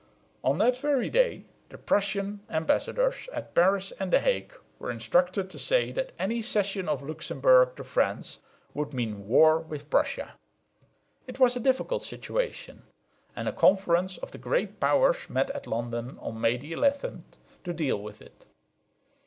On that very day the Prussian ambassadors at Paris and the Hague were instructed to say that any cession of Luxemburg to France would mean war with Prussia. It was a difficult situation; and a conference of the Great Powers met at London on May 11 to deal with it.